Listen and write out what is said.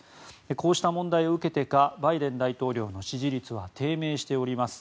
こうした問題を受けてかバイデン大統領の支持率は低迷しております。